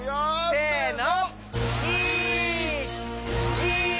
せの。